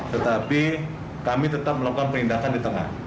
tetapi kami tetap melakukan penindakan di tengah